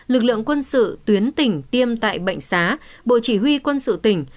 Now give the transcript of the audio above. lực lượng quân sự tuyến tỉnh tiêm tại bệnh xá bộ chỉ huy quân sự tỉnh